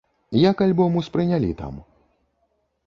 Як альбом успрынялі там?